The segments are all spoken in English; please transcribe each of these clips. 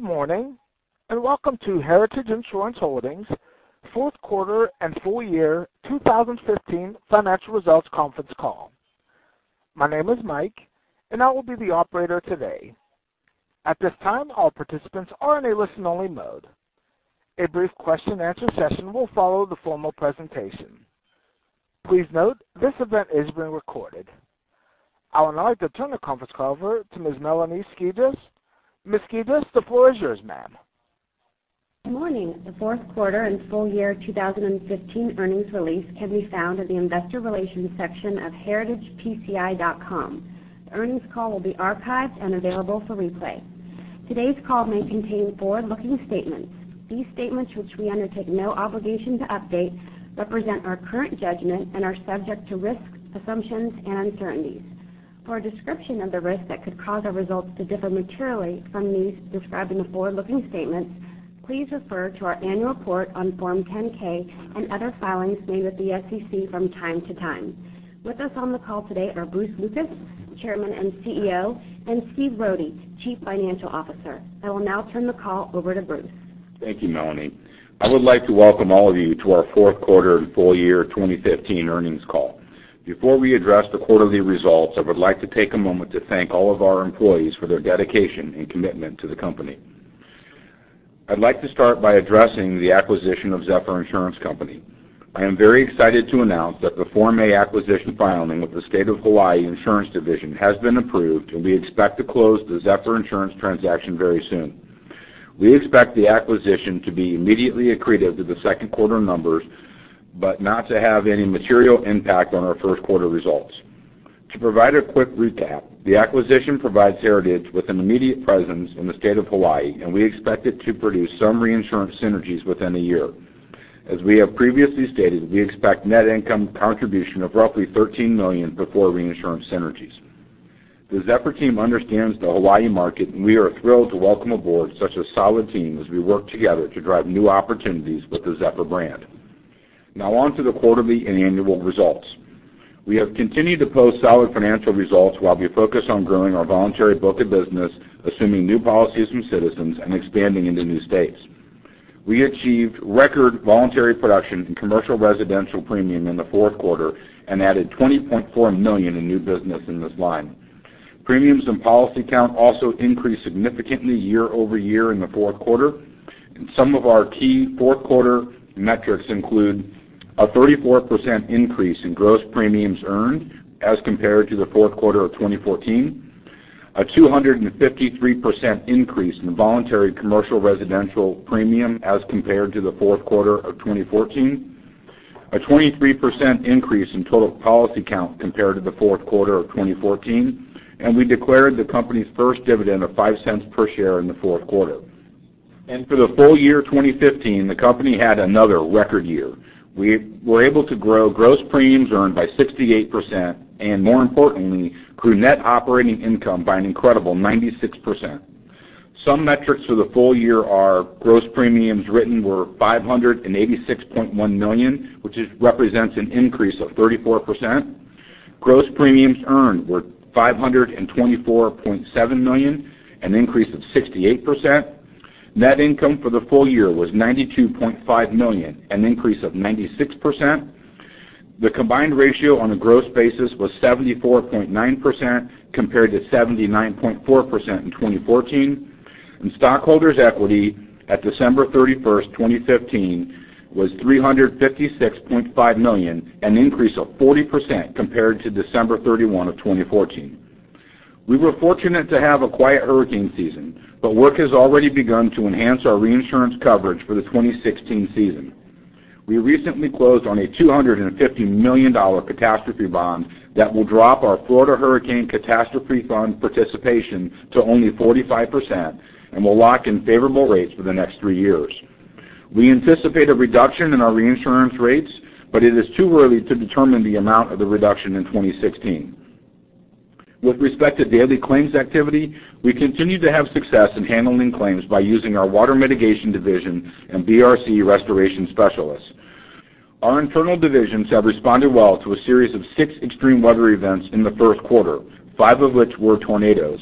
Good morning. Welcome to Heritage Insurance Holdings' fourth quarter and full year 2015 financial results conference call. My name is Mike, and I will be the operator today. At this time, all participants are in a listen-only mode. A brief question-and-answer session will follow the formal presentation. Please note this event is being recorded. I would now like to turn the conference call over to Ms. Melanie Skijus. Ms. Skijus, the floor is yours, ma'am. Good morning. The fourth quarter and full year 2015 earnings release can be found in the investor relations section of heritagepci.com. The earnings call will be archived and available for replay. Today's call may contain forward-looking statements. These statements, which we undertake no obligation to update, represent our current judgment and are subject to risks, assumptions, and uncertainties. For a description of the risks that could cause our results to differ materially from those described in the forward-looking statements, please refer to our annual report on Form 10-K and other filings made with the SEC from time to time. With us on the call today are Bruce Lucas, Chairman and CEO, and Stephen Rohde, Chief Financial Officer. I will now turn the call over to Bruce. Thank you, Melanie. I would like to welcome all of you to our fourth quarter and full year 2015 earnings call. Before we address the quarterly results, I would like to take a moment to thank all of our employees for their dedication and commitment to the company. I'd like to start by addressing the acquisition of Zephyr Insurance Company. I am very excited to announce that the Form A acquisition filing with the State of Hawaiʻi Insurance Division has been approved, and we expect to close the Zephyr Insurance transaction very soon. We expect the acquisition to be immediately accretive to the second quarter numbers, but not to have any material impact on our first quarter results. To provide a quick recap, the acquisition provides Heritage with an immediate presence in the state of Hawaiʻi, and we expect it to produce some reinsurance synergies within a year. As we have previously stated, we expect net income contribution of roughly $13 million before reinsurance synergies. The Zephyr team understands the Hawaiʻi market, and we are thrilled to welcome aboard such a solid team as we work together to drive new opportunities with the Zephyr brand. On to the quarterly and annual results. We have continued to post solid financial results while we focus on growing our voluntary book of business, assuming new policies from Citizens, and expanding into new states. We achieved record voluntary production in commercial residential premium in the fourth quarter and added $20.4 million in new business in this line. Premiums and policy count also increased significantly year-over-year in the fourth quarter. Some of our key fourth quarter metrics include a 34% increase in gross premiums earned as compared to the fourth quarter of 2014, a 253% increase in voluntary commercial residential premium as compared to the fourth quarter of 2014, a 23% increase in total policy count compared to the fourth quarter of 2014, and we declared the company's first dividend of $0.05 per share in the fourth quarter. For the full year 2015, the company had another record year. We were able to grow gross premiums earned by 68%, and more importantly, grew net operating income by an incredible 96%. Some metrics for the full year are gross premiums written were $586.1 million, which represents an increase of 34%. Gross premiums earned were $524.7 million, an increase of 68%. Net income for the full year was $92.5 million, an increase of 96%. The combined ratio on a gross basis was 74.9%, compared to 79.4% in 2014. Stockholders' equity at December 31, 2015, was $356.5 million, an increase of 40% compared to December 31, 2014. We were fortunate to have a quiet hurricane season. Work has already begun to enhance our reinsurance coverage for the 2016 season. We recently closed on a $250 million catastrophe bond that will drop our Florida Hurricane Catastrophe Fund participation to only 45% and will lock in favorable rates for the next three years. We anticipate a reduction in our reinsurance rates. It is too early to determine the amount of the reduction in 2016. With respect to daily claims activity, we continue to have success in handling claims by using our water mitigation division and BRC Restoration Specialists. Our internal divisions have responded well to a series of six extreme weather events in the first quarter, five of which were tornadoes.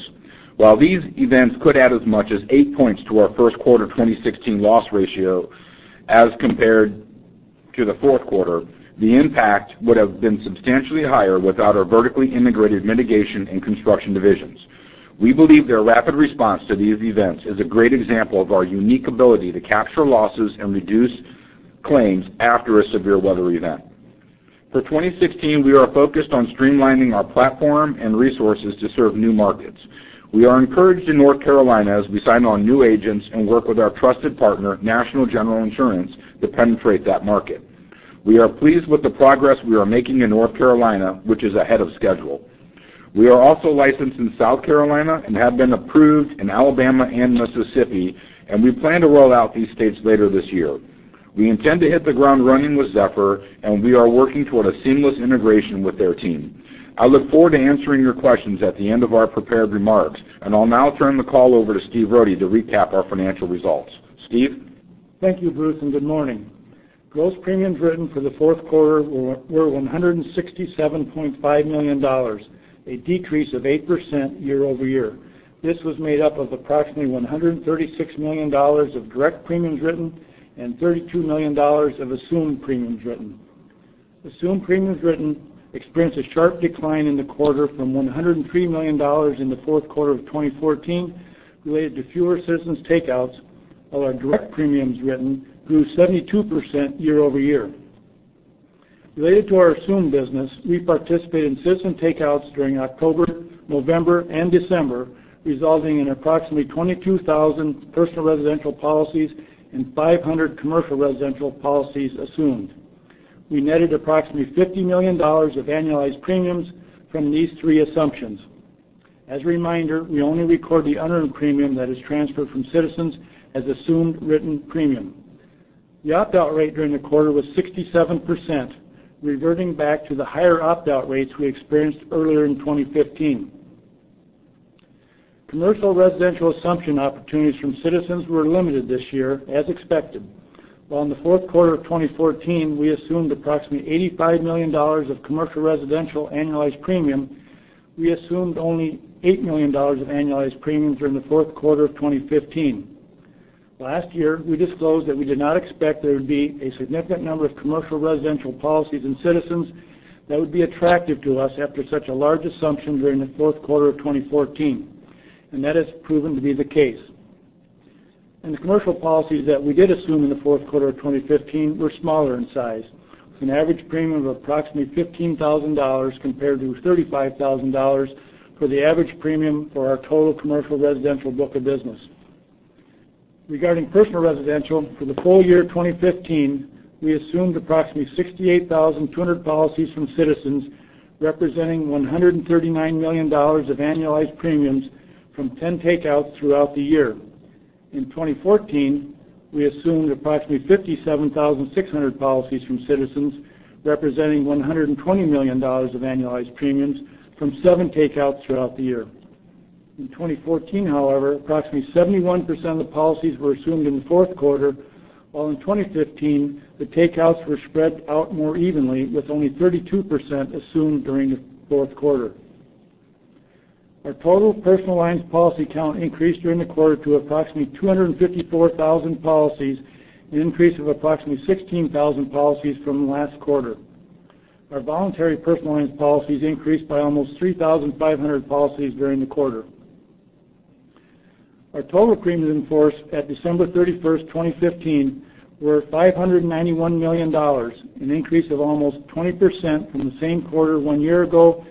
While these events could add as much as eight points to our first quarter 2016 loss ratio as compared to the fourth quarter, the impact would have been substantially higher without our vertically integrated mitigation and construction divisions. We believe their rapid response to these events is a great example of our unique ability to capture losses and reduce claims after a severe weather event. For 2016, we are focused on streamlining our platform and resources to serve new markets. We are encouraged in North Carolina as we sign on new agents and work with our trusted partner, National General Insurance, to penetrate that market. We are pleased with the progress we are making in North Carolina, which is ahead of schedule. We are also licensed in South Carolina and have been approved in Alabama and Mississippi. We plan to roll out these states later this year. We intend to hit the ground running with Zephyr, and we are working toward a seamless integration with their team. I look forward to answering your questions at the end of our prepared remarks. I'll now turn the call over to Stephen Rohde to recap our financial results. Stephen? Thank you, Bruce, and good morning. Gross premiums written for the fourth quarter were $167.5 million, a decrease of 8% year-over-year. This was made up of approximately $136 million of direct premiums written and $32 million of assumed premiums written. Assumed premiums written experienced a sharp decline in the quarter from $103 million in the fourth quarter of 2014, related to fewer Citizens' takeouts, while our direct premiums written grew 72% year-over-year. Related to our assumed business, we participated in Citizens takeouts during October, November, and December, resulting in approximately 22,000 personal residential policies and 500 commercial residential policies assumed. We netted approximately $50 million of annualized premiums from these three assumptions. As a reminder, we only record the unearned premium that is transferred from Citizens as assumed written premium. The opt-out rate during the quarter was 67%, reverting back to the higher opt-out rates we experienced earlier in 2015. Commercial residential assumption opportunities from Citizens were limited this year as expected. While in the fourth quarter of 2014, we assumed approximately $85 million of commercial residential annualized premium, we assumed only $8 million of annualized premiums during the fourth quarter of 2015. Last year, we disclosed that we did not expect there would be a significant number of commercial residential policies in Citizens that would be attractive to us after such a large assumption during the fourth quarter of 2014, and that has proven to be the case. The commercial policies that we did assume in the fourth quarter of 2015 were smaller in size, with an average premium of approximately $15,000 compared to $35,000 for the average premium for our total commercial residential book of business. Regarding personal residential, for the full year 2015, we assumed approximately 68,200 policies from Citizens representing $139 million of annualized premiums from 10 takeouts throughout the year. In 2014, we assumed approximately 57,600 policies from Citizens representing $120 million of annualized premiums from seven takeouts throughout the year. In 2014, however, approximately 71% of the policies were assumed in the fourth quarter, while in 2015, the takeouts were spread out more evenly, with only 32% assumed during the fourth quarter. Our total personal lines policy count increased during the quarter to approximately 254,000 policies, an increase of approximately 16,000 policies from last quarter. Our voluntary personal lines policies increased by almost 3,500 policies during the quarter. Our total premiums in force at December 31st, 2015, were $591 million, an increase of almost 20% from the same quarter one year ago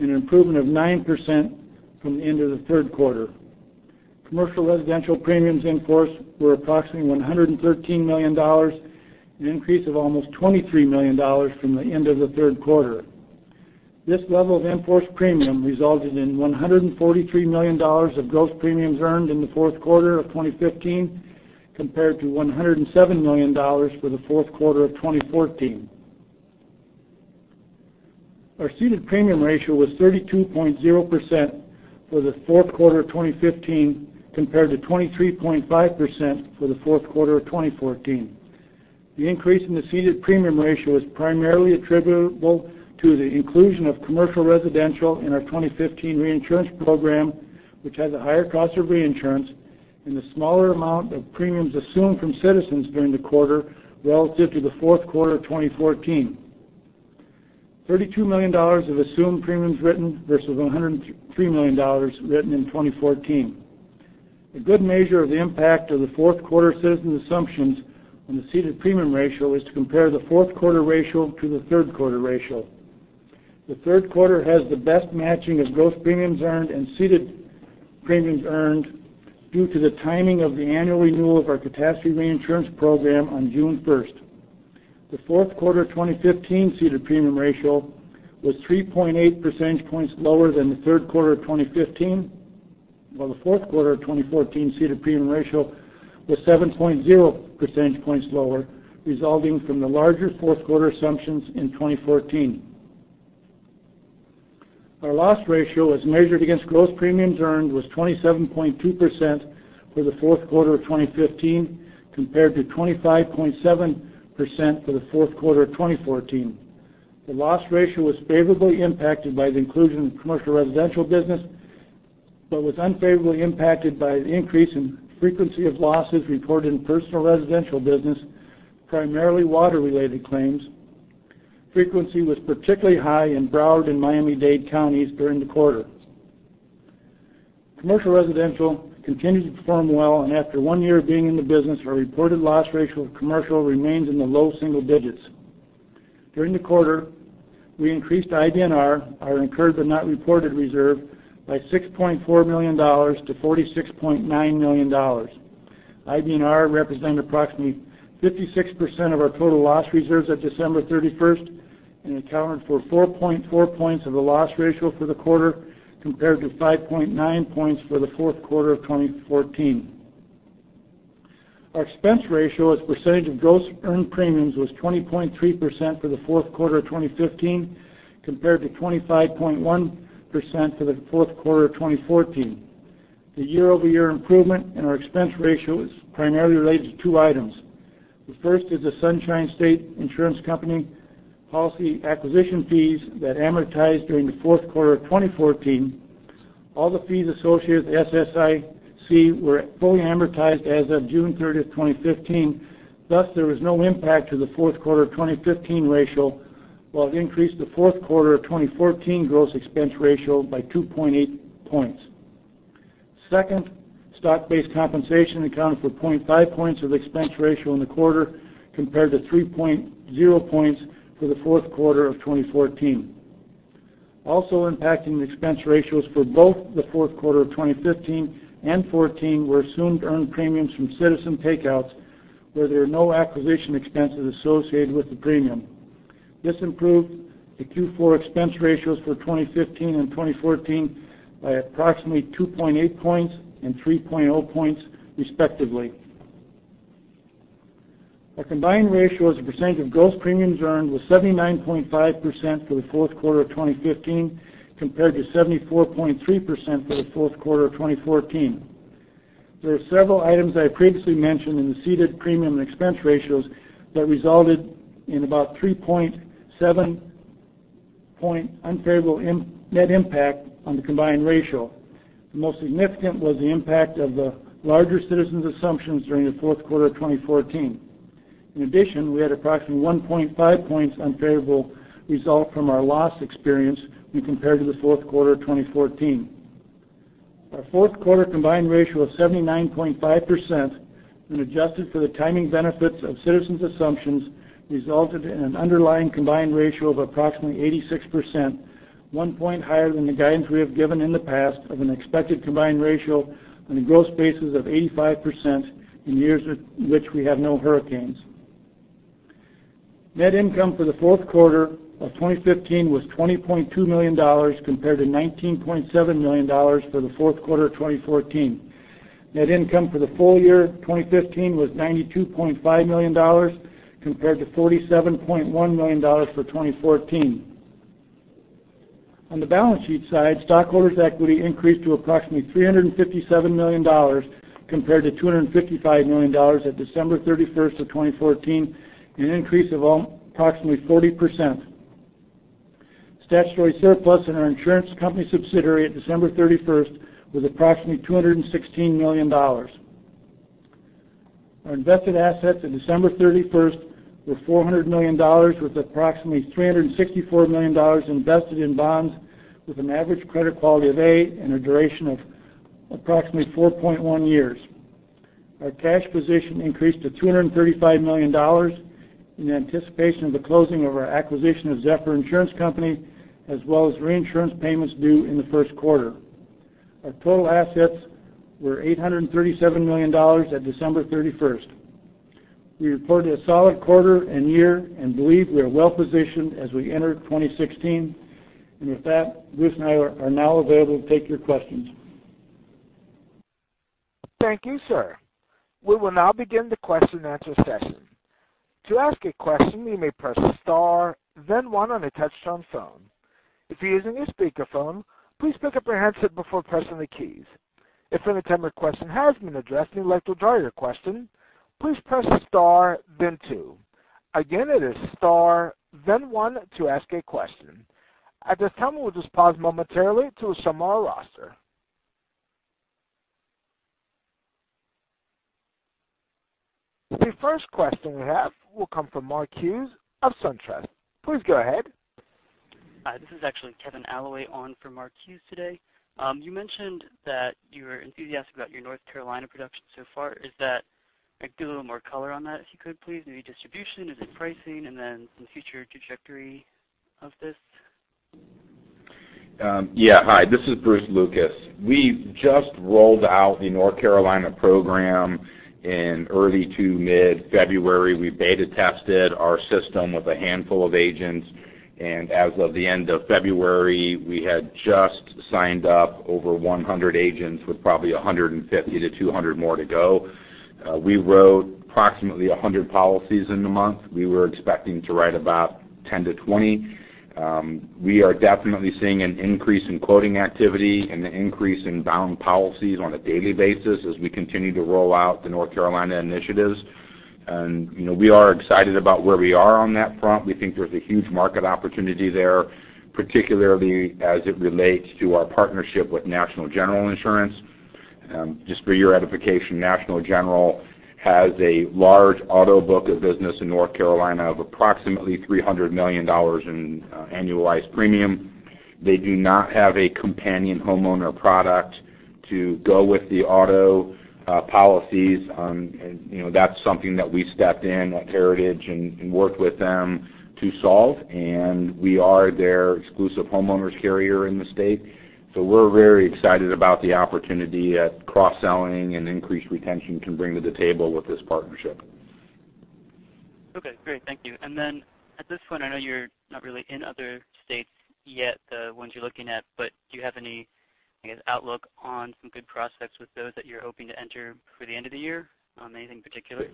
and an improvement of 9% from the end of the third quarter. Commercial residential premiums in force were approximately $113 million, an increase of almost $23 million from the end of the third quarter. This level of in-force premium resulted in $143 million of gross premiums earned in the fourth quarter of 2015, compared to $107 million for the fourth quarter of 2014. Our ceded premium ratio was 32.0% for the fourth quarter of 2015, compared to 23.5% for the fourth quarter of 2014. The increase in the ceded premium ratio is primarily attributable to the inclusion of commercial residential in our 2015 reinsurance program, which has a higher cost of reinsurance and a smaller amount of premiums assumed from Citizens during the quarter relative to the fourth quarter of 2014. $32 million of assumed premiums written versus $103 million written in 2014. A good measure of the impact of the fourth quarter Citizens' assumptions on the ceded premium ratio is to compare the fourth quarter ratio to the third quarter ratio. The third quarter has the best matching of gross premiums earned and ceded premiums earned due to the timing of the annual renewal of our catastrophe reinsurance program on June 1st. The fourth quarter 2015 ceded premium ratio was 3.8 percentage points lower than the third quarter of 2015, while the fourth quarter of 2014 ceded premium ratio was 7.0 percentage points lower, resulting from the larger fourth quarter assumptions in 2014. Our loss ratio as measured against gross premiums earned was 27.2% for the fourth quarter of 2015, compared to 25.7% for the fourth quarter of 2014. The loss ratio was favorably impacted by the inclusion of commercial residential business but was unfavorably impacted by the increase in frequency of losses reported in personal residential business, primarily water-related claims. Frequency was particularly high in Broward and Miami-Dade counties during the quarter. Commercial residential continued to perform well, and after one year of being in the business, our reported loss ratio of commercial remains in the low single digits. During the quarter, we increased IBNR, our Incurred But Not Reported reserve, by $6.4 million to $46.9 million. IBNR represented approximately 56% of our total loss reserves at December 31st and accounted for 4.4 points of the loss ratio for the quarter, compared to 5.9 points for the fourth quarter of 2014. Our expense ratio as a percentage of gross earned premiums was 20.3% for the fourth quarter of 2015, compared to 25.1% for the fourth quarter of 2014. The year-over-year improvement in our expense ratio is primarily related to two items. The first is the Sunshine State Insurance Company policy acquisition fees that amortized during the fourth quarter of 2014. All the fees associated with SSIC were fully amortized as of June 30th, 2015. There was no impact to the fourth quarter 2015 ratio, while it increased the fourth quarter of 2014 gross expense ratio by 2.8 points. Second, stock-based compensation accounted for 0.5 points of expense ratio in the quarter compared to 3.0 points for the fourth quarter of 2014. Also impacting the expense ratios for both the fourth quarter of 2015 and 2014 were assumed earned premiums from Citizens takeouts, where there are no acquisition expenses associated with the premium. This improved the Q4 expense ratios for 2015 and 2014 by approximately 2.8 points and 3.0 points respectively. Our combined ratio as a percent of gross premiums earned was 79.5% for the fourth quarter of 2015, compared to 74.3% for the fourth quarter of 2014. There are several items I previously mentioned in the ceded premium and expense ratios that resulted in about 3.7 point unfavorable net impact on the combined ratio. The most significant was the impact of the larger Citizens' assumptions during the fourth quarter of 2014. We had approximately 1.5 points unfavorable result from our loss experience when compared to the fourth quarter of 2014. Our fourth quarter combined ratio of 79.5%, when adjusted for the timing benefits of Citizens' assumptions, resulted in an underlying combined ratio of approximately 86%, 1 point higher than the guidance we have given in the past of an expected combined ratio on a gross basis of 85% in years in which we have no hurricanes. Net income for the fourth quarter of 2015 was $20.2 million, compared to $19.7 million for the fourth quarter of 2014. Net income for the full year 2015 was $92.5 million, compared to $47.1 million for 2014. On the balance sheet side, stockholders' equity increased to approximately $357 million, compared to $255 million at December 31st of 2014, an increase of approximately 40%. Statutory surplus in our insurance company subsidiary at December 31st was approximately $216 million. Our invested assets at December 31st were $400 million, with approximately $364 million invested in bonds with an average credit quality of A and a duration of approximately 4.1 years. Our cash position increased to $235 million in anticipation of the closing of our acquisition of Zephyr Insurance Company, as well as reinsurance payments due in the 1st quarter. Our total assets were $837 million at December 31st. We reported a solid quarter and year and believe we are well-positioned as we enter 2016. Bruce and I are now available to take your questions. Thank you, sir. We will now begin the question and answer session. To ask a question, you may press star then 1 on a touch-tone phone. If you're using a speakerphone, please pick up your handset before pressing the keys. If at any time your question has been addressed and you'd like to withdraw your question, please press star then 2. Again, it is star then 1 to ask a question. At this time, we'll just pause momentarily to show our roster. The first question we have will come from Mark Hughes of SunTrust. Please go ahead. Hi, this is actually Kevin Fitzsimmons on for Mark Hughes today. You mentioned that you were enthusiastic about your North Carolina production so far. Give a little more color on that, if you could please. Maybe distribution, is it pricing? Some future trajectory of this. Yeah. Hi, this is Bruce Lucas. We just rolled out the North Carolina program in early to mid-February. We beta tested our system with a handful of agents, and as of the end of February, we had just signed up over 100 agents with probably 150-200 more to go. We wrote approximately 100 policies in the month. We were expecting to write about 10-20. We are definitely seeing an increase in quoting activity and an increase in bound policies on a daily basis as we continue to roll out the North Carolina initiatives. We are excited about where we are on that front. We think there's a huge market opportunity there, particularly as it relates to our partnership with National General Insurance. Just for your edification, National General has a large auto book of business in North Carolina of approximately $300 million in annualized premium. They do not have a companion homeowner product to go with the auto policies. That's something that we stepped in at Heritage and worked with them to solve, and we are their exclusive homeowners carrier in the state. We're very excited about the opportunity at cross-selling and increased retention can bring to the table with this partnership. Okay, great. Thank you. At this point, I know you're not really in other states yet, the ones you're looking at, but do you have any, I guess, outlook on some good prospects with those that you're hoping to enter for the end of the year? Anything in particular?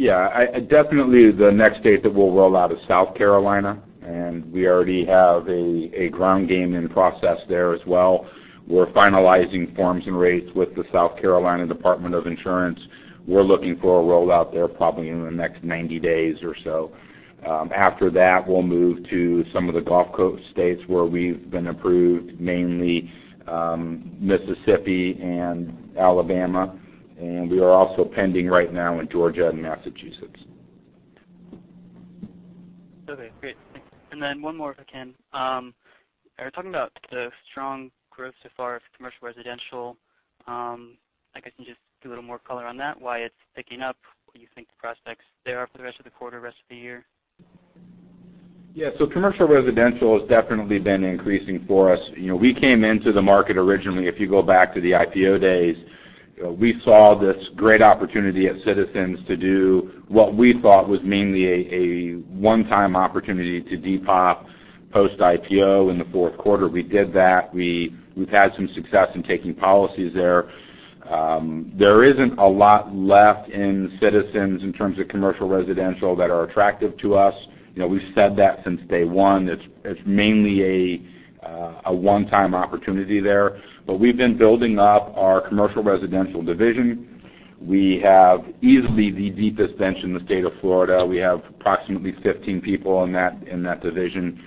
Yeah. Definitely the next state that we'll roll out is South Carolina, and we already have a ground game in process there as well. We're finalizing forms and rates with the South Carolina Department of Insurance. We're looking for a rollout there probably in the next 90 days or so. After that, we'll move to some of the Gulf Coast states where we've been approved, mainly Mississippi and Alabama, and we are also pending right now in Georgia and Massachusetts. Okay, great. Thanks. One more, if I can. You're talking about the strong growth so far of commercial residential. I guess can you just give a little more color on that, why it's picking up? What do you think the prospects there are for the rest of the quarter, rest of the year? Yeah. Commercial residential has definitely been increasing for us. We came into the market originally, if you go back to the IPO days, we saw this great opportunity at Citizens to do what we thought was mainly a one-time opportunity to de-pop post IPO in the fourth quarter. We did that. We've had some success in taking policies there. There isn't a lot left in Citizens in terms of commercial residential that are attractive to us. We've said that since day one. It's mainly a one-time opportunity there. We've been building up our commercial residential division. We have easily the deepest bench in the State of Florida. We have approximately 15 people in that division.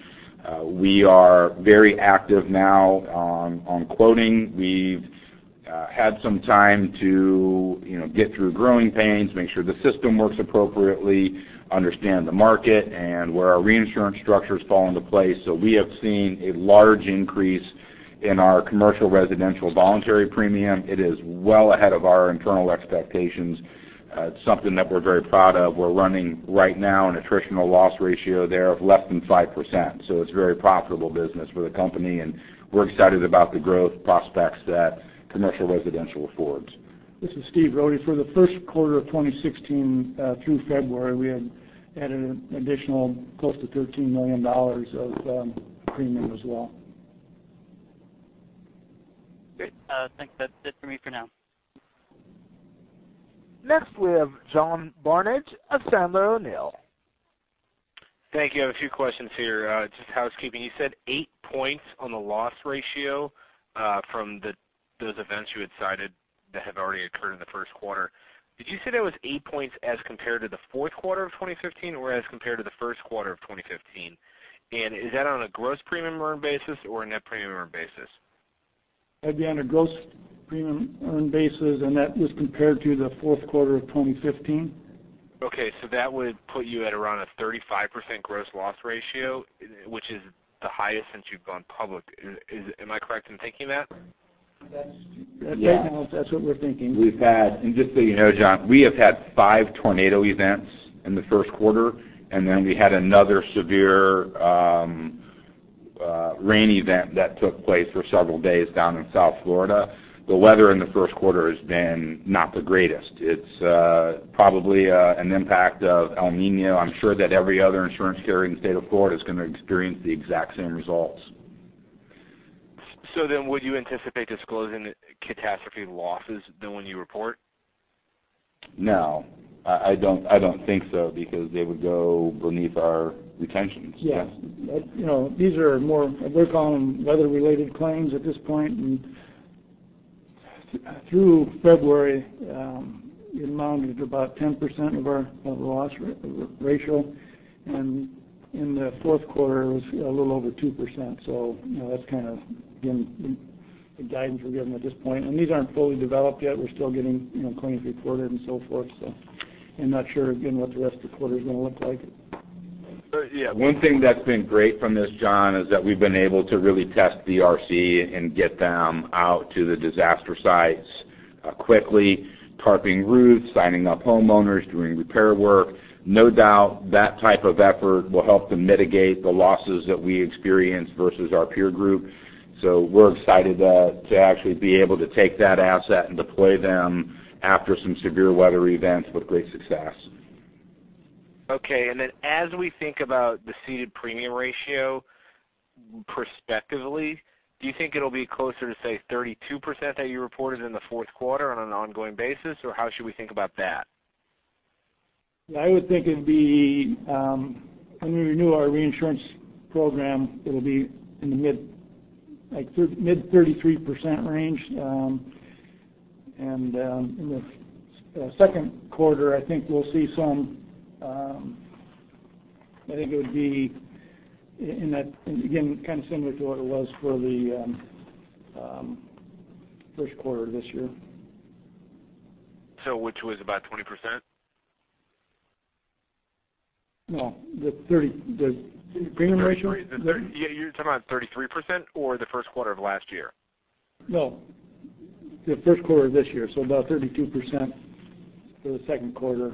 We are very active now on quoting. We've had some time to get through growing pains, make sure the system works appropriately, understand the market, and where our reinsurance structures fall into place. We have seen a large increase in our commercial residential voluntary premium. It is well ahead of our internal expectations. It's something that we're very proud of. We're running right now an attritional loss ratio there of less than 5%. It's a very profitable business for the company, and we're excited about the growth prospects that commercial residential affords. This is Stephen Rohde. For the first quarter of 2016, through February, we had added an additional close to $13 million of premium as well. Great. I think that's it for me for now. Next, we have John Barnidge of Sandler O'Neill. Thank you. I have a few questions here. Just housekeeping, you said eight points on the loss ratio from those events you had cited that have already occurred in the first quarter. Did you say that was eight points as compared to the fourth quarter of 2015, or as compared to the first quarter of 2015? Is that on a gross premium earned basis or a net premium earned basis? That'd be on a gross premium earned basis, and that was compared to the fourth quarter of 2015. Okay, that would put you at around a 35% gross loss ratio, which is the highest since you've gone public. Am I correct in thinking that? That's right. Yeah. That's what we're thinking. Just so you know, John, we have had five tornado events in the first quarter, then we had another severe rain event that took place for several days down in South Florida. The weather in the first quarter has been not the greatest. It's probably an impact of El Niño. I'm sure that every other insurance carrier in the state of Florida is going to experience the exact same results. Would you anticipate disclosing catastrophe losses then when you report? No, I don't think so, because they would go beneath our retentions. Yeah. We call them weather-related claims at this point, through February, it amounted to about 10% of our loss ratio. In the fourth quarter, it was a little over 2%. That's the guidance we're giving at this point. These aren't fully developed yet. We're still getting claims reported and so forth, so I'm not sure again what the rest of the quarter is going to look like. yeah, one thing that's been great from this, John, is that we've been able to really test BRC and get them out to the disaster sites quickly, tarping roofs, signing up homeowners, doing repair work. No doubt that type of effort will help to mitigate the losses that we experience versus our peer group. We're excited to actually be able to take that asset and deploy them after some severe weather events with great success. Okay. As we think about the ceded premium ratio prospectively, do you think it'll be closer to, say, 32% that you reported in the fourth quarter on an ongoing basis? Or how should we think about that? I would think it'd be, when we renew our reinsurance program, it'll be in the mid 33% range. In the second quarter, I think it would be kind of similar to what it was for the first quarter of this year. Which was about 20%? No, the premium ratio? Yeah, you're talking about 33% or the first quarter of last year? No, the first quarter of this year, about 32% for the second quarter,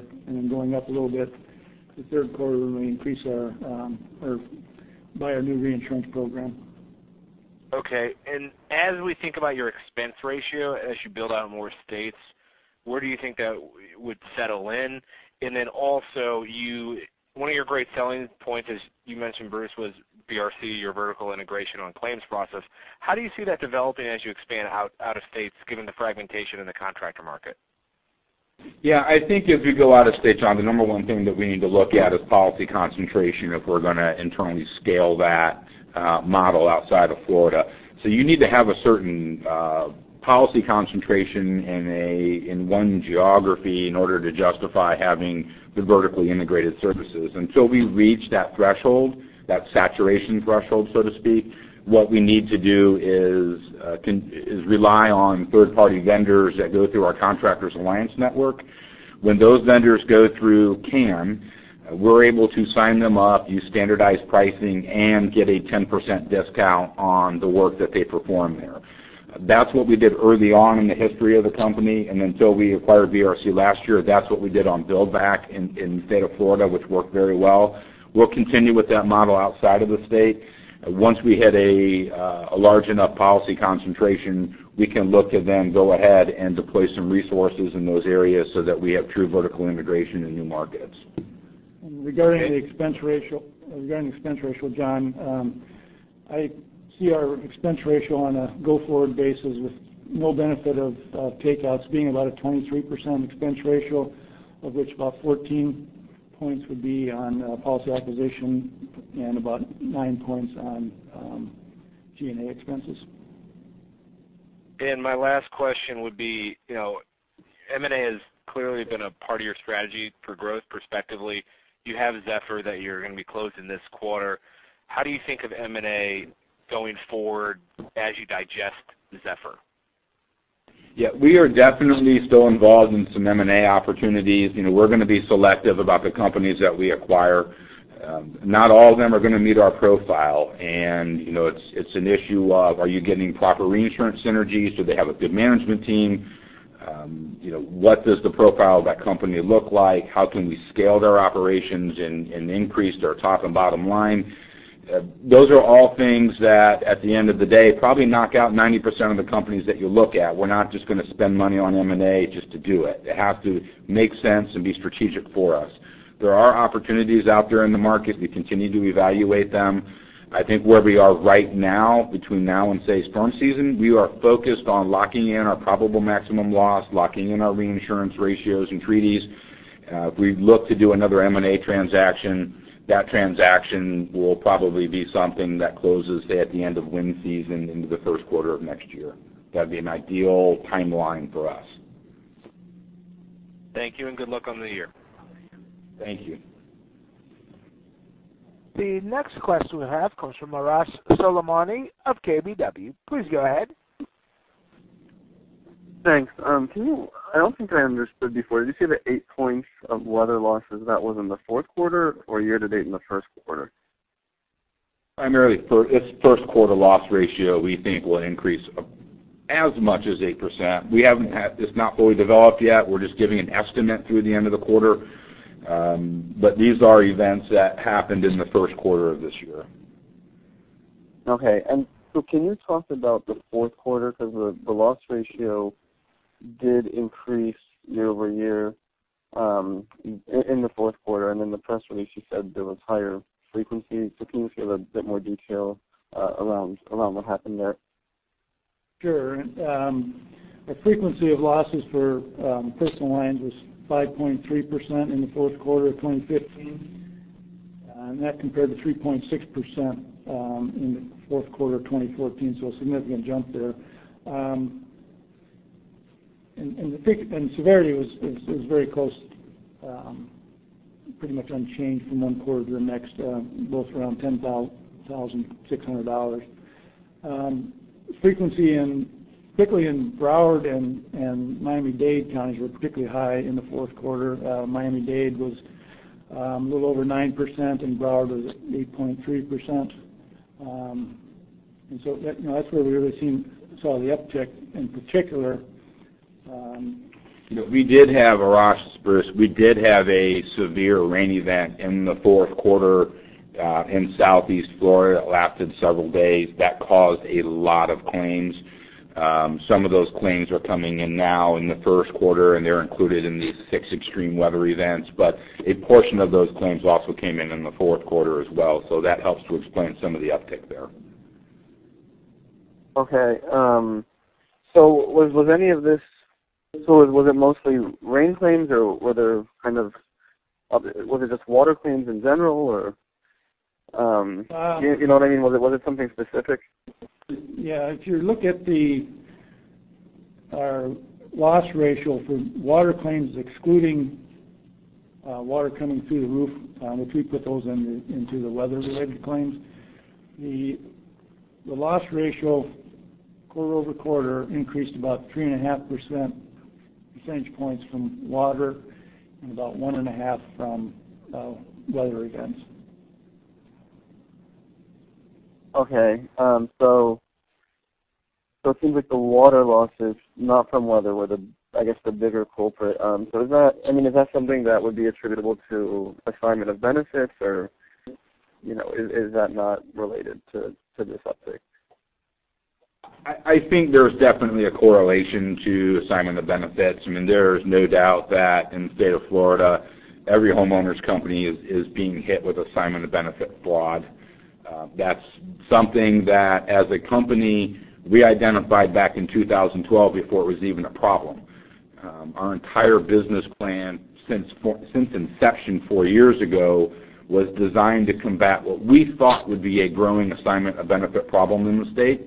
going up a little bit the third quarter when we buy our new reinsurance program. Okay. As we think about your expense ratio, as you build out more states, where do you think that would settle in? Also, one of your great selling points, as you mentioned, Bruce, was BRC, your vertical integration on claims process. How do you see that developing as you expand out of states, given the fragmentation in the contractor market? I think as we go out of state, John, the number one thing that we need to look at is policy concentration if we're going to internally scale that model outside of Florida. You need to have a certain policy concentration in one geography in order to justify having the vertically integrated services. Until we reach that threshold, that saturation threshold, so to speak, what we need to do is rely on third-party vendors that go through our Contractors Alliance Network. When those vendors go through CAN, we're able to sign them up, use standardized pricing, and get a 10% discount on the work that they perform there. That's what we did early on in the history of the company, and until we acquired BRC last year, that's what we did on build back in the state of Florida, which worked very well. We'll continue with that model outside of the state. Once we hit a large enough policy concentration, we can look to then go ahead and deploy some resources in those areas so that we have true vertical integration in new markets. Regarding the expense ratio, John, I see our expense ratio on a go-forward basis with no benefit of takeouts being about a 23% expense ratio, of which about 14 points would be on policy acquisition and about nine points on G&A expenses. My last question would be, M&A has clearly been a part of your strategy for growth perspectively. You have Zephyr that you're going to be closing this quarter. How do you think of M&A going forward as you digest Zephyr? We are definitely still involved in some M&A opportunities. We're going to be selective about the companies that we acquire. Not all of them are going to meet our profile, and it's an issue of, are you getting proper reinsurance synergies? Do they have a good management team? What does the profile of that company look like? How can we scale their operations and increase their top and bottom line? Those are all things that, at the end of the day, probably knock out 90% of the companies that you look at. We're not just going to spend money on M&A just to do it. It has to make sense and be strategic for us. There are opportunities out there in the market. We continue to evaluate them. I think where we are right now, between now and, say, storm season, we are focused on locking in our Probable Maximum Loss, locking in our reinsurance ratios and treaties. If we look to do another M&A transaction, that transaction will probably be something that closes at the end of wind season into the first quarter of next year. That'd be an ideal timeline for us. Thank you, good luck on the year. Thank you. The next question we have comes from Arash Soleimani of KBW. Please go ahead. Thanks. I don't think I understood before. Did you say the 8 points of weather losses, that was in the fourth quarter or year-to-date in the first quarter? Primarily, its first quarter loss ratio, we think, will increase as much as 8%. It's not fully developed yet. We're just giving an estimate through the end of the quarter. These are events that happened in the first quarter of this year. Okay. Can you talk about the fourth quarter? Because the loss ratio did increase year-over-year in the fourth quarter, and in the press release, you said there was higher frequency. Can you give a bit more detail around what happened there? Sure. The frequency of losses for personal lines was 5.3% in the fourth quarter of 2015. That compared to 3.6% in the fourth quarter of 2014. A significant jump there. Severity was very close, pretty much unchanged from one quarter to the next, both around $10,600. Frequency, particularly in Broward and Miami-Dade counties, were particularly high in the fourth quarter. Miami-Dade was a little over 9%. Broward was 8.3%. That's where we really saw the uptick, in particular. Arash, we did have a severe rain event in the fourth quarter in Southeast Florida that lasted several days that caused a lot of claims. Some of those claims are coming in now in the first quarter. They're included in these six extreme weather events. A portion of those claims also came in in the fourth quarter as well. That helps to explain some of the uptick there. Okay. Was it mostly rain claims, or was it just water claims in general, or? You know what I mean? Was it something specific? Yeah. If you look at our loss ratio for water claims, excluding water coming through the roof, which we put those into the weather-related claims, the loss ratio quarter-over-quarter increased about 3.5% percentage points from water and about one and a half from weather events. It seems like the water losses, not from weather, were, I guess, the bigger culprit. Is that something that would be attributable to Assignment of Benefits, or is that not related to this uptick? I think there's definitely a correlation to Assignment of Benefits. There's no doubt that in the state of Florida, every homeowner's company is being hit with Assignment of Benefit fraud. That's something that, as a company, we identified back in 2012, before it was even a problem. Our entire business plan since inception four years ago was designed to combat what we thought would be a growing Assignment of Benefit problem in the state.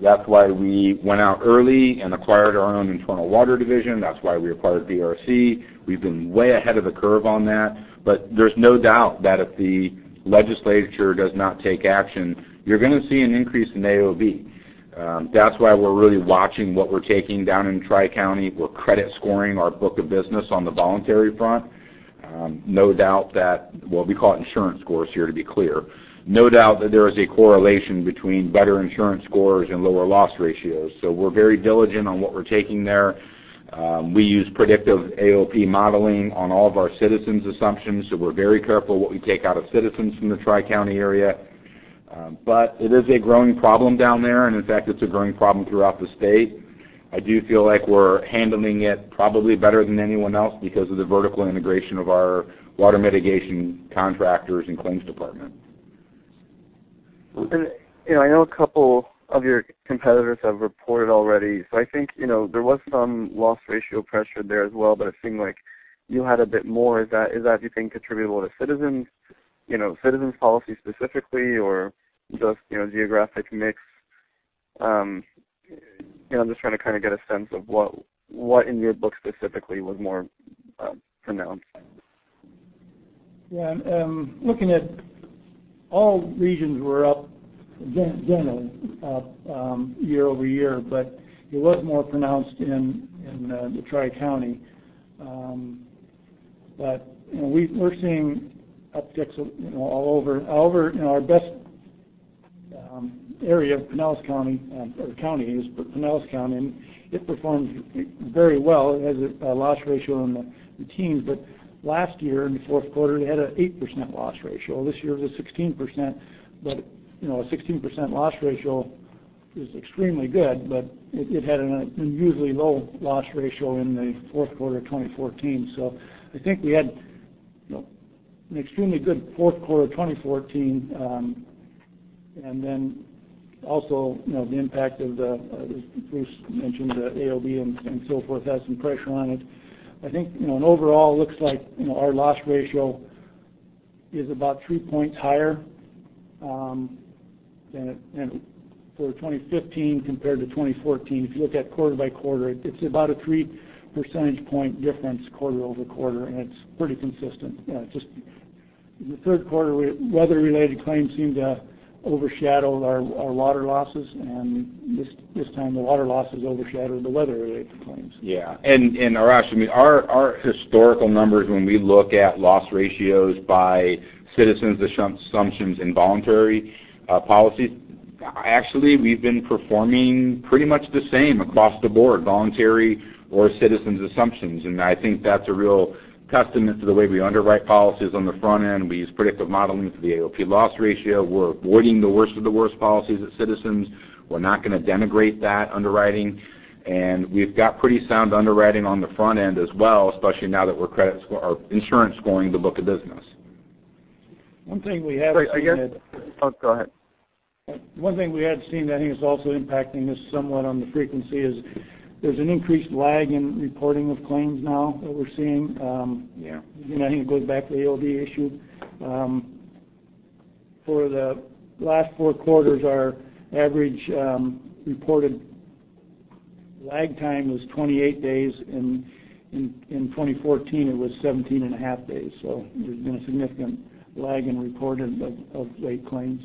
That's why we went out early and acquired our own internal water division. That's why we acquired BRC. We've been way ahead of the curve on that. There's no doubt that if the legislature does not take action, you're going to see an increase in AOB. That's why we're really watching what we're taking down in Tri-County. We're credit scoring our book of business on the voluntary front. Well, we call it insurance scores here to be clear. No doubt that there is a correlation between better insurance scores and lower loss ratios. We're very diligent on what we're taking there. We use predictive AOP modeling on all of our Citizens' assumptions, so we're very careful what we take out of Citizens from the Tri-County area. It is a growing problem down there. In fact, it's a growing problem throughout the state. I do feel like we're handling it probably better than anyone else because of the vertical integration of our water mitigation contractors and claims department. I know a couple of your competitors have reported already, I think there was some loss ratio pressure there as well. It seemed like you had a bit more. Is that, do you think, attributable to Citizens policy specifically or just geographic mix? I'm just trying to kind of get a sense of what in your book specifically was more pronounced. Looking at all regions, we're up generally year-over-year, but it was more pronounced in the Tri-County. We're seeing upticks all over. Our best area, Pinellas County, or counties, but Pinellas County, it performed very well. It has a loss ratio in the teens. Last year in the fourth quarter, it had an 8% loss ratio. This year it was 16%. A 16% loss ratio is extremely good, but it had an unusually low loss ratio in the fourth quarter of 2014. I think we had an extremely good fourth quarter of 2014, also the impact of the, as Bruce mentioned, the AOB and so forth, had some pressure on it. I think, overall, it looks like our loss ratio is about 3 points higher for 2015 compared to 2014. If you look at quarter by quarter, it's about a 3 percentage point difference quarter-over-quarter, and it's pretty consistent. Just the third quarter, weather related claims seemed to overshadow our water losses. This time, the water losses overshadowed the weather related claims. Yeah. Arash, our historical numbers, when we look at loss ratios by Citizens' assumptions in voluntary policies, actually, we've been performing pretty much the same across the board, voluntary or Citizens' assumptions. I think that's a real testament to the way we underwrite policies on the front end. We use predictive modeling for the AOP loss ratio. We're avoiding the worst of the worst policies at Citizens. We're not going to denigrate that underwriting. We've got pretty sound underwriting on the front end as well, especially now that we're insurance scoring the book of business. One thing we have seen- Oh, go ahead. One thing we had seen that I think is also impacting us somewhat on the frequency is there's an increased lag in reporting of claims now that we're seeing. Yeah. I think it goes back to the AOB issue. For the last 4 quarters, our average reported lag time was 28 days. In 2014, it was 17 and a half days. There's been a significant lag in reporting of late claims.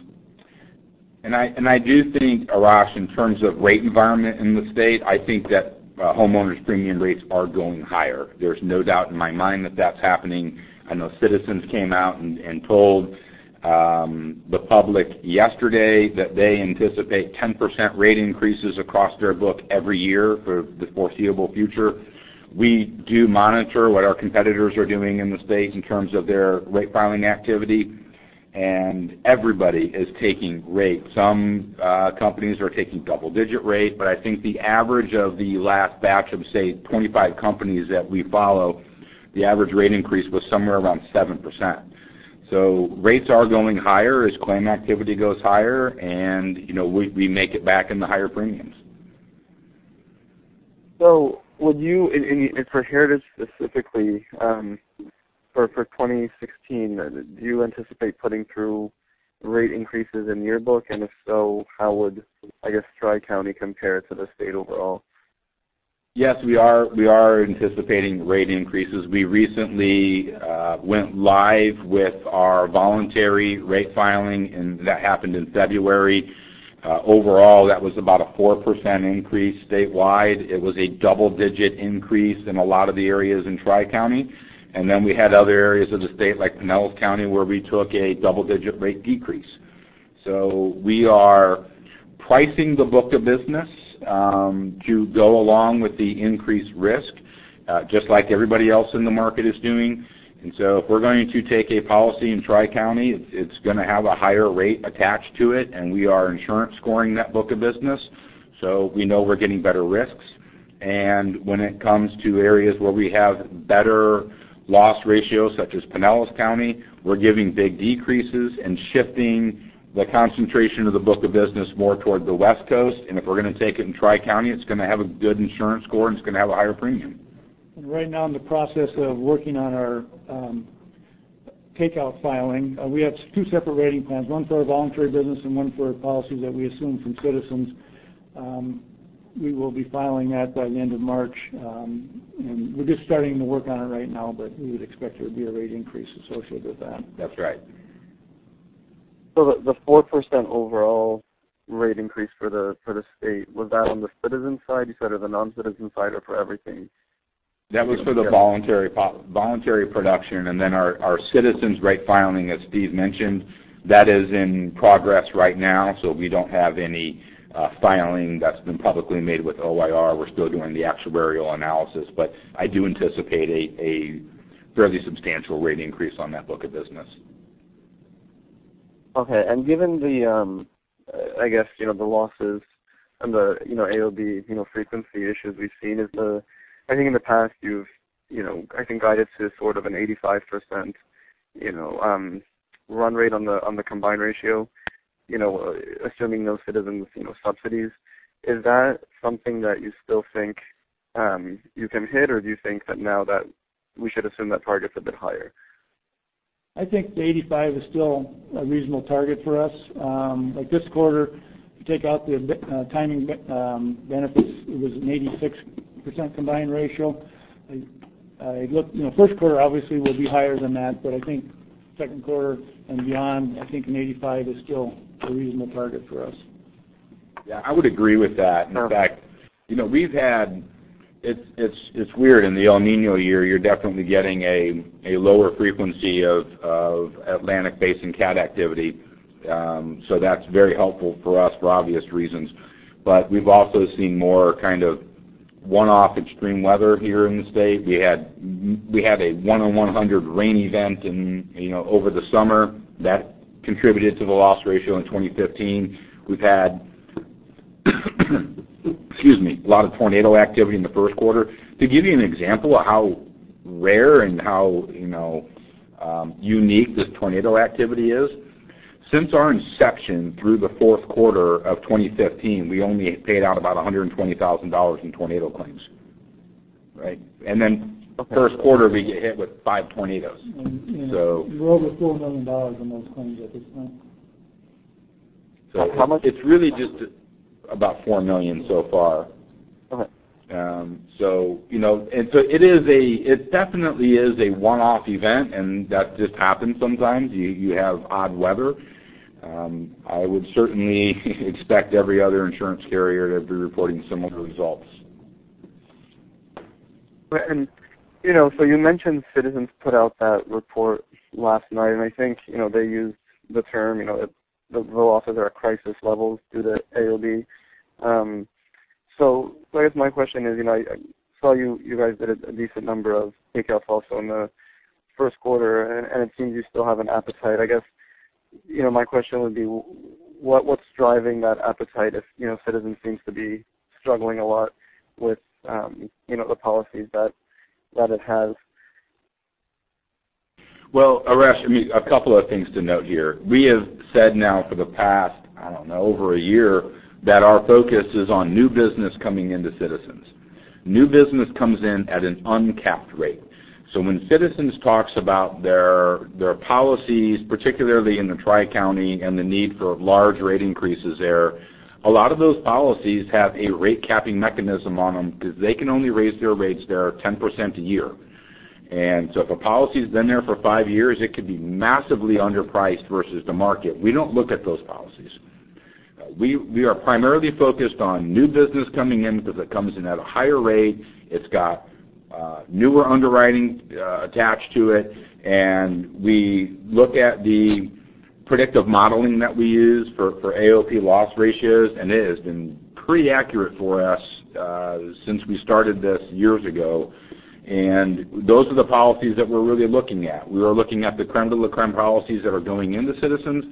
I do think, Arash, in terms of rate environment in the state, I think that homeowners' premium rates are going higher. There's no doubt in my mind that that's happening. I know Citizens came out and told the public yesterday that they anticipate 10% rate increases across their book every year for the foreseeable future. We do monitor what our competitors are doing in the state in terms of their rate filing activity, and everybody is taking rates. Some companies are taking double-digit rate, but I think the average of the last batch of, say, 25 companies that we follow, the average rate increase was somewhere around 7%. Rates are going higher as claim activity goes higher, and we make it back in the higher premiums. Would you, and for Heritage specifically, for 2016, do you anticipate putting through rate increases in your book? If so, how would, I guess, Tri-County compare to the state overall? Yes, we are anticipating rate increases. We recently went live with our voluntary rate filing, that happened in February. Overall, that was about a 4% increase statewide. It was a double-digit increase in a lot of the areas in Tri-County. We had other areas of the state, like Pinellas County, where we took a double-digit rate decrease. We are pricing the book of business to go along with the increased risk, just like everybody else in the market is doing. If we're going to take a policy in Tri-County, it's going to have a higher rate attached to it, and we are insurance scoring that book of business, so we know we're getting better risks. When it comes to areas where we have better loss ratios, such as Pinellas County, we're giving big decreases and shifting the concentration of the book of business more toward the West Coast. If we're going to take it in Tri-County, it's going to have a good insurance score, and it's going to have a higher premium. Right now, in the process of working on our takeout filing, we have two separate rating plans, one for our voluntary business and one for our policies that we assume from Citizens. We will be filing that by the end of March. We're just starting to work on it right now, but we would expect there to be a rate increase associated with that. That's right. The 4% overall rate increase for the state, was that on the Citizens side, you said, or the non-Citizens side, or for everything? That was for the voluntary production, then our Citizens rate filing, as Steve mentioned, that is in progress right now. We don't have any filing that's been publicly made with OIR. We're still doing the actuarial analysis. I do anticipate a fairly substantial rate increase on that book of business. Okay, given the losses and the AOB frequency issues we've seen, I think in the past, you've, I think, guided to sort of an 85% run rate on the combined ratio, assuming no Citizens subsidies. Is that something that you still think you can hit? Do you think that now that we should assume that target's a bit higher? I think the 85 is still a reasonable target for us. Like this quarter, if you take out the timing benefits, it was an 86% combined ratio. First quarter obviously will be higher than that, I think second quarter and beyond, I think an 85 is still a reasonable target for us. Yeah, I would agree with that. Perfect. In fact, it's weird. In the El Niño year, you're definitely getting a lower frequency of Atlantic-facing cat activity. That's very helpful for us for obvious reasons. We've also seen more kind of one-off extreme weather here in the state. We had a 1 in 100 rain event over the summer. That contributed to the loss ratio in 2015. We've had, excuse me, a lot of tornado activity in the first quarter. To give you an example of how rare and how unique this tornado activity is, since our inception through the fourth quarter of 2015, we only paid out about $120,000 in tornado claims. Right? First quarter, we get hit with five tornadoes. We're over $4 million on those claims at this point. How much? It's really just about $4 million so far. Okay. It definitely is a one-off event. That just happens sometimes. You have odd weather. I would certainly expect every other insurance carrier to be reporting similar results. You mentioned Citizens put out that report last night, and I think they used the term, the losses are at crisis levels due to AOB. I guess my question is, I saw you guys did a decent number of takeouts also in the first quarter, and it seems you still have an appetite. I guess, my question would be, what's driving that appetite if Citizens seems to be struggling a lot with the policies that it has? Well, Arash, a couple of things to note here. We have said now for the past, I don't know, over a year, that our focus is on new business coming into Citizens. New business comes in at an uncapped rate. When Citizens talks about their policies, particularly in the Tri-County, and the need for large rate increases there, a lot of those policies have a rate capping mechanism on them because they can only raise their rates there 10% a year. If a policy's been there for five years, it could be massively underpriced versus the market. We don't look at those policies. We are primarily focused on new business coming in because it comes in at a higher rate. It's got newer underwriting attached to it, we look at the predictive modeling that we use for AOP loss ratios, and it has been pretty accurate for us since we started this years ago. Those are the policies that we're really looking at. We are looking at the creme de la creme policies that are going into Citizens.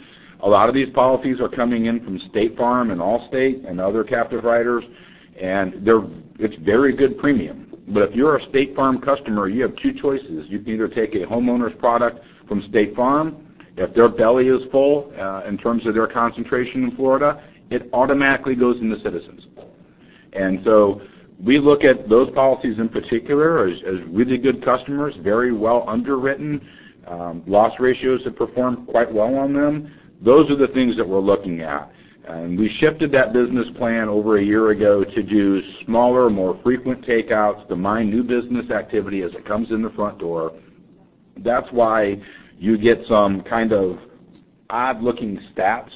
A lot of these policies are coming in from State Farm and Allstate and other captive writers. It's very good premium. If you're a State Farm customer, you have two choices. You can either take a homeowner's product from State Farm. If their belly is full in terms of their concentration in Florida, it automatically goes into Citizens. We look at those policies in particular as really good customers, very well underwritten. Loss ratios have performed quite well on them. Those are the things that we're looking at. We shifted that business plan over a year ago to do smaller, more frequent takeouts to mine new business activity as it comes in the front door. That's why you get some kind of odd-looking stats,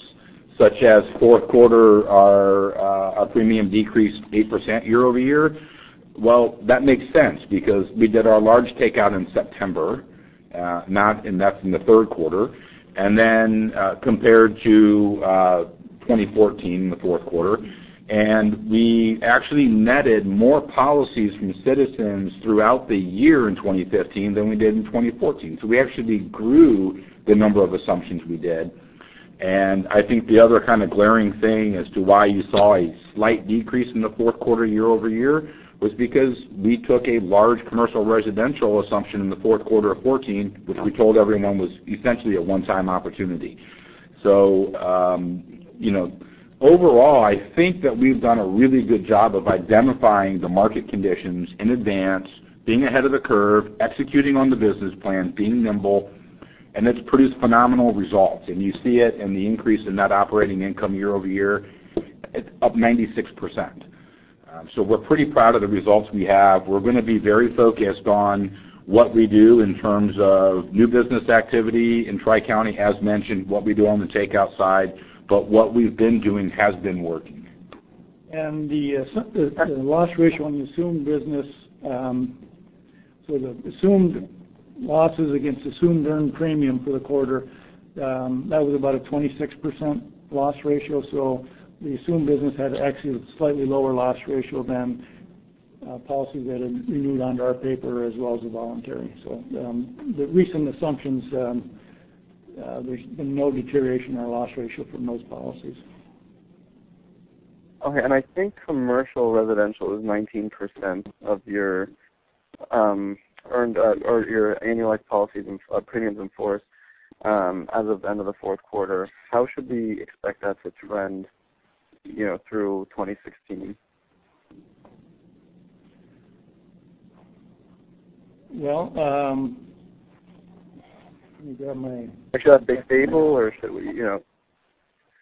such as fourth quarter, our premium decreased 8% year-over-year. Well, that makes sense because we did our large takeout in September, and that's in the third quarter. Compared to 2014, the fourth quarter. We actually netted more policies from Citizens throughout the year in 2015 than we did in 2014. We actually grew the number of assumptions we did. I think the other kind of glaring thing as to why you saw a slight decrease in the fourth quarter year-over-year was because we took a large commercial residential assumption in the fourth quarter of 2014, which we told everyone was essentially a one-time opportunity. Overall, I think that we've done a really good job of identifying the market conditions in advance, being ahead of the curve, executing on the business plan, being nimble, and it's produced phenomenal results. You see it in the increase in net operating income year-over-year, up 96%. We're pretty proud of the results we have. We're going to be very focused on what we do in terms of new business activity in Tri-County, as mentioned, what we do on the takeout side, but what we've been doing has been working. The loss ratio on the assumed business, so the assumed losses against assumed earned premium for the quarter, that was about a 26% loss ratio. The assumed business had actually a slightly lower loss ratio than policies that had renewed under our paper as well as the voluntary. The recent assumptions, there's been no deterioration in our loss ratio for most policies. Okay, I think commercial residential is 19% of your earned or your annualized premiums in force as of the end of the fourth quarter. How should we expect that to trend through 2016? Well, let me grab my Should that be stable or should we, you know.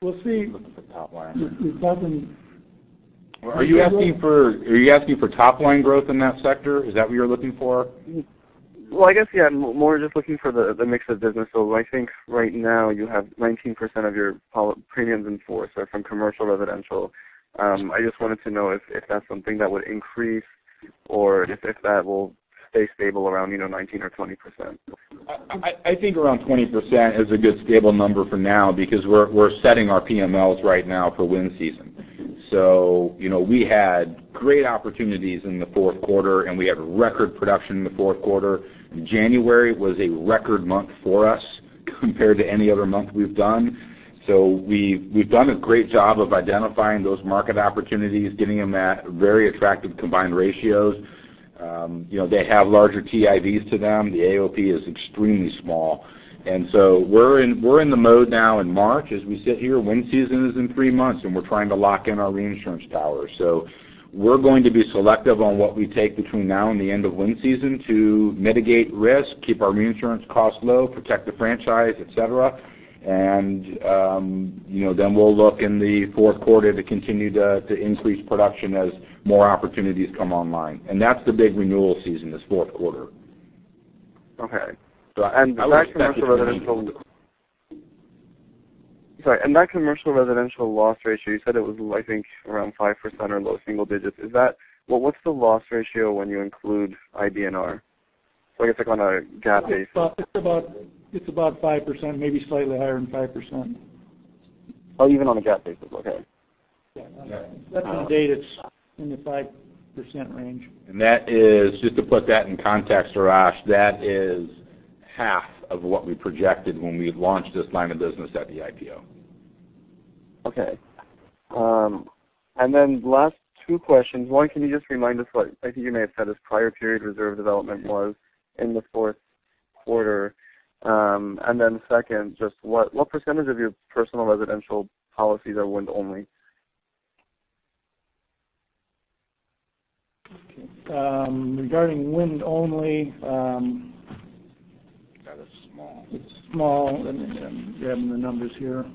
We'll see. Looking for top line. It's probably- Are you asking for top line growth in that sector? Is that what you're looking for? I guess, yeah, I'm more just looking for the mix of business. I think right now you have 19% of your premiums in force are from commercial residential. I just wanted to know if that's something that would increase or if that will stay stable around 19% or 20%. I think around 20% is a good stable number for now because we're setting our PMLs right now for wind season. We had great opportunities in the fourth quarter, and we had record production in the fourth quarter. January was a record month for us compared to any other month we've done. We've done a great job of identifying those market opportunities, getting them at very attractive combined ratios. They have larger TIVs to them. The AOP is extremely small. We're in the mode now in March as we sit here. Wind season is in three months, and we're trying to lock in our reinsurance tower. We're going to be selective on what we take between now and the end of wind season to mitigate risk, keep our reinsurance costs low, protect the franchise, et cetera. We'll look in the fourth quarter to continue to increase production as more opportunities come online. That's the big renewal season, this fourth quarter. Okay. I would expect it to remain- Sorry, that commercial residential loss ratio, you said it was, I think, around 5% or low single digits. What's the loss ratio when you include IBNR? I guess, like on a GAAP basis. It's about 5%, maybe slightly higher than 5%. Oh, even on a GAAP basis. Okay. Yeah. Yeah. That's to date, it's in the 5% range. Just to put that in context, Arash, that is half of what we projected when we launched this line of business at the IPO. Okay. Then last two questions. One, can you just remind us what, I think you may have said this, prior period reserve development was in the fourth quarter. Then second, just what % of your personal residential policies are wind only? Okay. Regarding wind only. That is small. It's small. Let me grab the numbers here.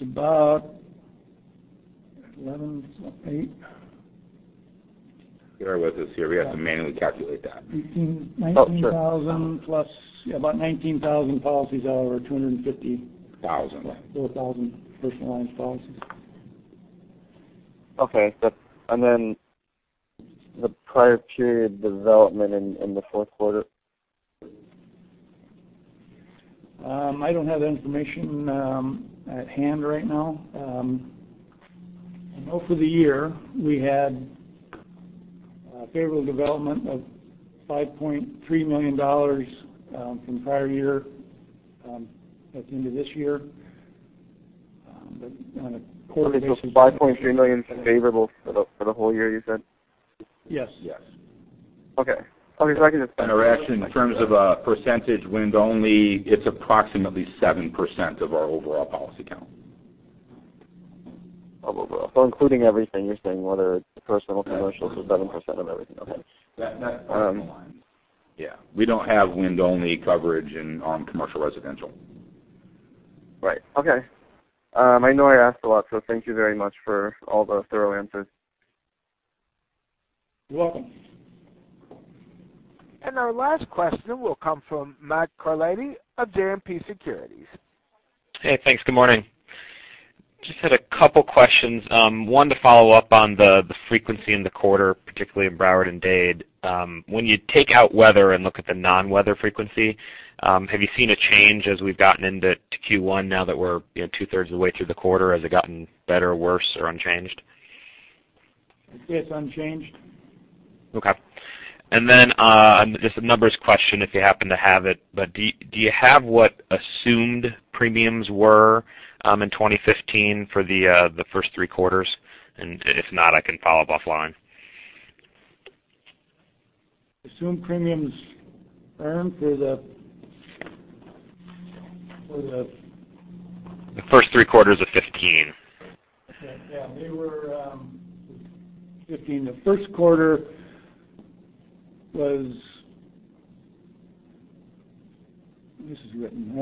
It's about 11.8. Here with us here, we have to manually calculate that. Eighteen- Oh, sure. 19,000 plus, yeah, about 19,000 policies out of our 250- Thousand, right 4,000 personal lines policies. Okay. Then the prior period development in the fourth quarter? I don't have that information at hand right now. Over the year, we had a favorable development of $5.3 million from prior year at the end of this year. It was $5.3 million favorable for the whole year, you said? Yes. Yes. Okay. Arash, in terms of a percentage wind only, it is approximately 7% of our overall policy count. Of overall. Including everything, you are saying whether it is personal, commercial? 7% of everything. Okay. That bottom line. Yeah. We don't have wind only coverage on commercial residential. Right. Okay. I know I asked a lot, so thank you very much for all the thorough answers. You're welcome. Our last question will come from Matthew Carletti of JMP Securities. Hey, thanks. Good morning. I just had a couple questions. One to follow up on the frequency in the quarter, particularly in Broward and Dade. When you take out weather and look at the non-weather frequency, have you seen a change as we've gotten into Q1 now that we're two-thirds of the way through the quarter? Has it gotten better or worse or unchanged? I'd say it's unchanged. Okay. Just a numbers question if you happen to have it, but do you have what assumed premiums were in 2015 for the first three quarters? If not, I can follow up offline. Assumed premiums earned for the- The first three quarters of 2015. Okay. Yeah. They were, 2015, the first quarter was. This is written.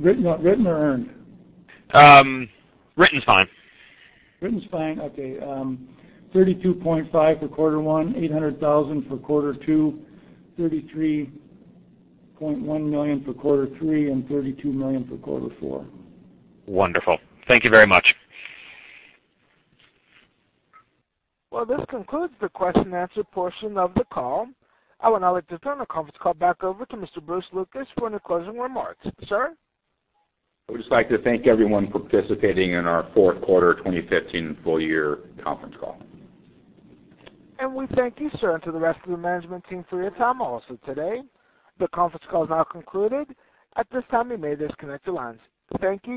Written or earned? Written's fine. Written's fine? Okay. $32.5 million for quarter one, $800,000 for quarter two, $33.1 million for quarter three, and $32 million for quarter four. Wonderful. Thank you very much. This concludes the question and answer portion of the call. I would now like to turn the conference call back over to Mr. Bruce Lucas for any closing remarks. Sir? I would just like to thank everyone for participating in our fourth quarter 2015 full year conference call. We thank you, sir, and to the rest of the management team for your time also today. The conference call is now concluded. At this time, you may disconnect your lines. Thank you.